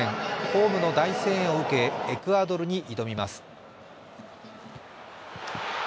ホームの大声援を受け、エクアドルに挑みます。